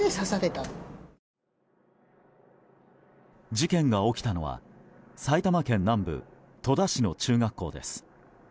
事件が起きたのは埼玉県南部戸田市の中学校です。